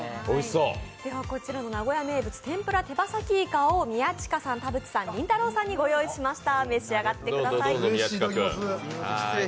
こちらの名古屋名物天ぷらてばさきいかを宮近さん、田渕さん、りんたろーさんにご用意しました。